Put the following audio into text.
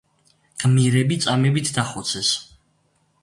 გმირები წამებით დახოცეს.